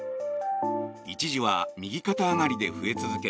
一時は右肩上がりで増え続け